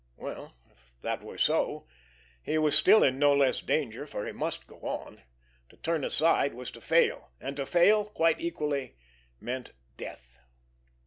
Well, if that were so, he was still in no less danger, for he must go on. To turn aside was to fail, and to fail, quite equally, meant death.